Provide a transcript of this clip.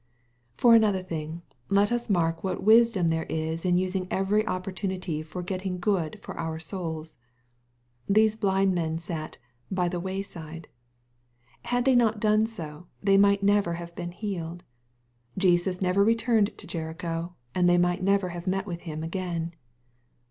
For another thing, let us mark what wisdom there is in using every opportunity for getting good for our souls. These blind men sat " by the wayside." Had they not done so, they might never have been healed, Jesus never returned to Jericho, and they might never have met with Him again.